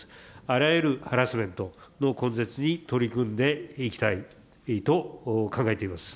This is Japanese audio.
あらゆるハラスメントの根絶に取り組んでいきたいと考えています。